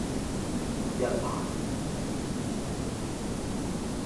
一萬